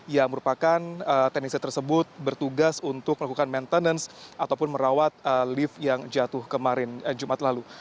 yang merupakan teknisi tersebut bertugas untuk melakukan maintenance ataupun merawat lift yang jatuh kemarin jumat lalu